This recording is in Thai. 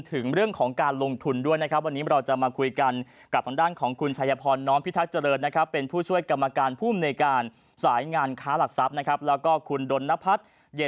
สวัสดีครับคุณอารัชพรและผู้ชมทางบ้านครับ